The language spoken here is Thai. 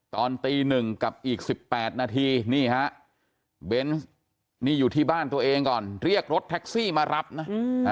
ตอนตีหนึ่งกับอีก๑๘นาทีนี่ฮะเบนส์นี่อยู่ที่บ้านตัวเองก่อนเรียกรถแท็กซี่มารับนะ